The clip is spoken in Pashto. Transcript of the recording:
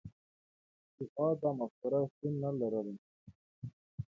پخوا دا مفکوره شتون نه لرله.